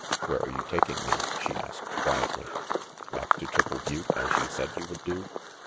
"Where are you taking me?" she asked quietly. "Back to Triple Butte, as you said you would do?"